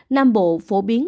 nam bộ phổ biến